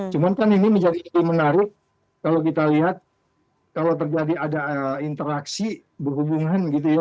cuma kan ini menjadi menarik kalau kita lihat kalau terjadi ada interaksi berhubungan gitu ya